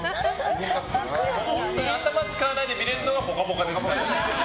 頭使わないで見れるのが「ぽかぽか」ですから。